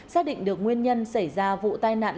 xác định được nguyên nhân xảy ra vụ tai nạn